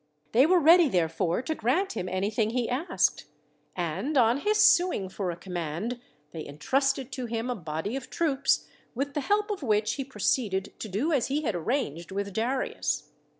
They were ready, therefore, to grant him anything he asked; and on his suing for a command, they entrusted to him a body of troops with the help of which he pro ceeded to do as he had arranged with Darius.